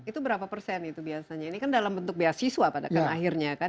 itu berapa persen itu biasanya ini kan dalam bentuk beasiswa pada kan akhirnya kan